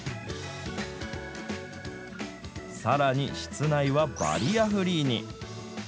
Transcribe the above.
さらに室内はバリアフリーに。